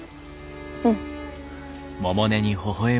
うん。